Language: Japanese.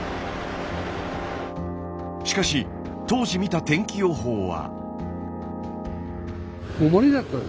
しかし当時見た天気予報は。